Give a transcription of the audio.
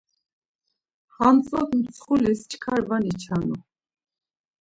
Hantzo tsxulis çkar va niçanu.